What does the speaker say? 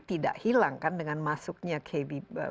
tidak hilang kan dengan masuknya kb